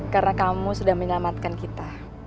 karena kamu sudah menyelamatkan kita